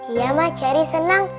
iya mak cari senang